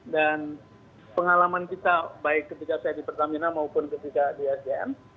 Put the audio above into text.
dan pengalaman kita baik ketika saya di pertamina maupun ketika di sgm